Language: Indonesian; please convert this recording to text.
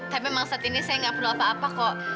tapi memang saat ini saya nggak perlu apa apa kok